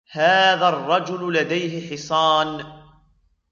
هذا الرجل لديه حصان.